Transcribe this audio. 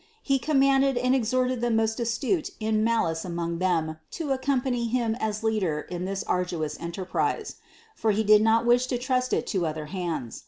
He commanded and exhorted the most astute in malice among them to accompany him as leader in this arduous enterprise ; for he did not wish to trust it to other hands.